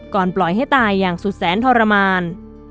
ปล่อยให้ตายอย่างสุดแสนทรมาน